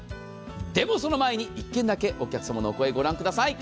でも、その前に１件だけお客様のお声、ご覧ください。